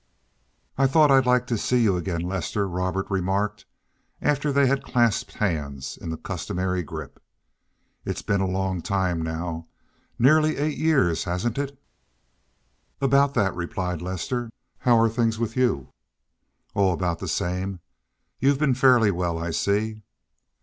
"I thought I'd like to see you again, Lester," Robert remarked, after they had clasped hands in the customary grip. "It's been a long time now—nearly eight years, hasn't it?" "About that," replied Lester. "How are things with you?" "Oh, about the same. You've been fairly well, I see."